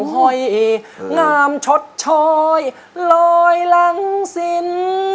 หอยงามชดชอยลอยหลังสิน